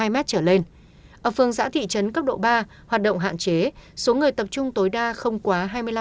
mét trở lên ở phường xã thị trấn cấp độ ba hoạt động hạn chế số người tập trung tối đa không quá